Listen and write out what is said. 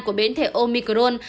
của biến thể omicron